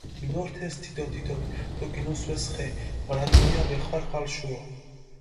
მინორთეს თითო-თითოთ დო გინუსვეს ხე, მარა ტყვია ვეხვარხვალ შურო.